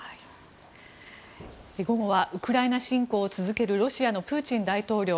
午後はウクライナ侵攻を続けるロシアのプーチン大統領。